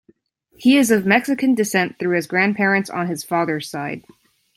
He is of Mexican descent through his grandparents on his father's side.